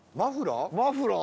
マフラー？